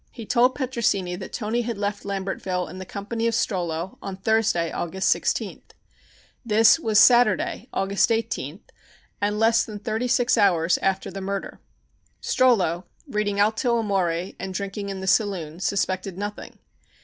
He told Petrosini that Toni had left Lambertville in the company of Strollo on Thursday, August 16th. This was Saturday, August 18th, and less than thirty six hours after the murder. Strollo, reading "Alto Amore," and drinking in the saloon, suspected nothing.